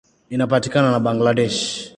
Inapakana na Bangladesh.